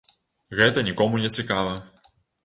Гэта нікому не цікава.